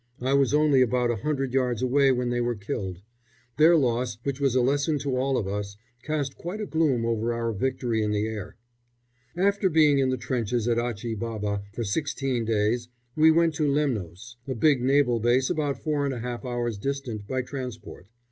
I was only about a hundred yards away when they were killed. Their loss, which was a lesson to all of us, cast quite a gloom over our victory in the air. After being in the trenches at Achi Baba for sixteen days we went back to Lemnos, a big naval base about four and a half hours' distant by transport.